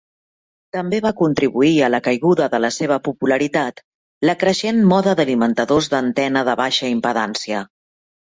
També va contribuir a la caiguda de la seva popularitat la creixent moda d'alimentadors d'antena de baixa impedància.